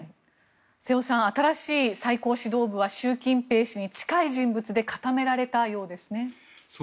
瀬尾さん新しい最高指導部は習近平氏に近い人物で固められたようですね。